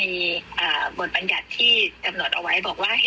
ก็จะมีบทบรรยัติที่ตำรวจเอาไว้บอกว่า